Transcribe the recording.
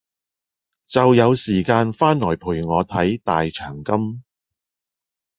就有時間翻來陪我睇大長今